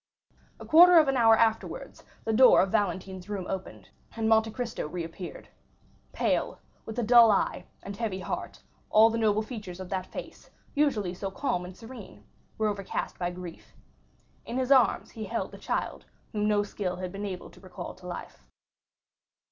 A quarter of an hour afterwards the door of Valentine's room opened, and Monte Cristo reappeared. Pale, with a dull eye and heavy heart, all the noble features of that face, usually so calm and serene, were overcast by grief. In his arms he held the child, whom no skill had been able to recall to life.